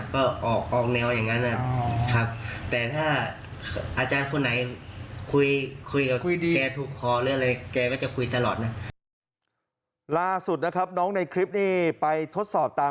ก็ออกแนวอย่างนั้นครับ